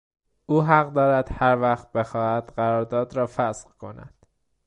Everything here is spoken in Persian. او حق دارد هر وقت بخواهد قرارداد را فسخ کند.